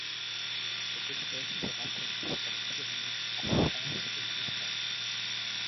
Cette espèce se rencontre dans les Pyrénées en France et en Espagne.